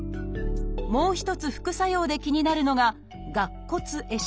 もう一つ副作用で気になるのが「顎骨壊死」。